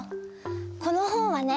この本はね